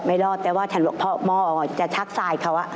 ไม่รอดแต่ว่าฉันหลวงพ่อมอออกจะชักสายเขา